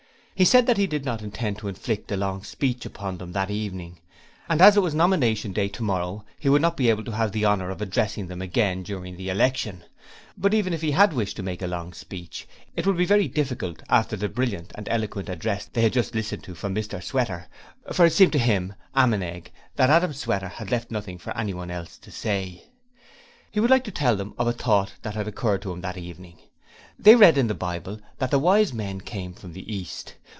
He said that he did not intend to inflict a long speech upon them that evening, and as it was nomination day tomorrow he would not be able to have the honour of addressing them again during the election; but even if he had wished to make a long speech, it would be very difficult after the brilliant and eloquent address they had just listened to from Mr Sweater, for it seemed to him (Ammenegg) that Adam Sweater had left nothing for anyone else to say. But he would like to tell them of a Thought that had occurred to him that evening. They read in the Bible that the Wise Men came from the East.